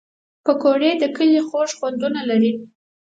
پکورې د کلیو خوږ خوندونه لري